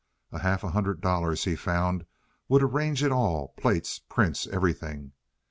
A half hundred dollars, he found, would arrange it all—plates, prints, everything.